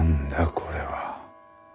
これは。